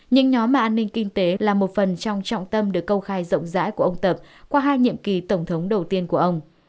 nhưng nhóm mà an ninh kinh tế là một phần trong trọng tâm được công khai rộng rãi của ông tập qua hai nhiệm kỳ tổng thống đầu tiên của ông